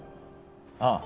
ああ。